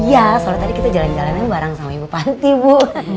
iya soalnya tadi kita jalan jalannya bareng sama ibu panti bu